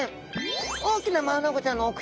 大きなマアナゴちゃんのお口。